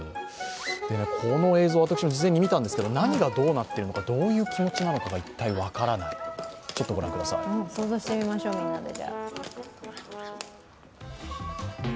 この映像私も事前に見たんですけど何がどうなっているのか、どういう気持ちなのかが想像してみましょう、みんなで。